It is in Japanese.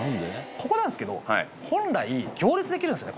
ここなんすけど本来行列できるんですね